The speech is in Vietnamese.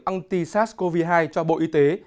anti sars cov hai cho bộ y tế